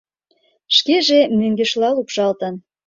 Шкеже мӧҥгешла лупшалтын.